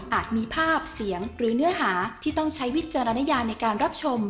มีภาพเสียงหรือเนื้อหาที่ต้องใช้วิจารณญาในการรับชม